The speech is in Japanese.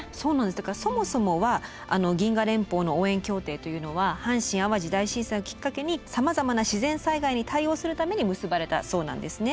だからそもそもは銀河連邦の応援協定というのは阪神淡路大震災をきっかけにさまざまな自然災害に対応するために結ばれたそうなんですね。